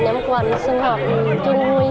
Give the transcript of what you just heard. ném quần xung hợp chung vui